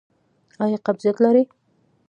ایا قبضیت لرئ؟